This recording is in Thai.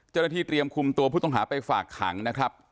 เจ้าหน้าที่เตรียมคุมตัวผู้ต้องหาไปฝากขังนะครับ